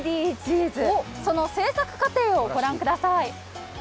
その制作過程を御覧ください。